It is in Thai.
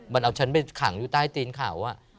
มันเอาฉันไปขังอยู่ใต้ตีนเขา